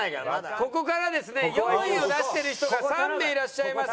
ここからですね４位を出してる人が３名いらっしゃいます。